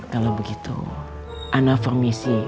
kalau begitu anda permisi